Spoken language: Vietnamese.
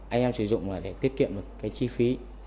anh em sử dụng là để tiết kiệm được cái chi phí